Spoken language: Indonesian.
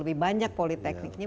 lebih banyak politekniknya